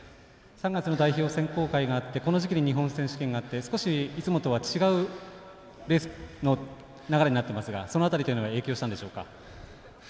３月の代表選考会があってこの時期に日本選手権があって少しいつもとは違うレースの流れになっていますがその辺りというのが影響したんでしょうか？